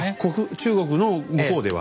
中国の向こうでは。